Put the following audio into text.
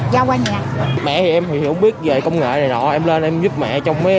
dùm giao qua nhà mẹ thì em thì không biết về công nghệ này nọ em lên em giúp mẹ trong mấy